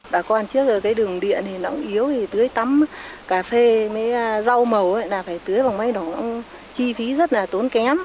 bà con trước rồi cái đường điện thì nó yếu tưới tắm cà phê với rau màu phải tưới bằng máy đỏ chi phí rất là tốn kém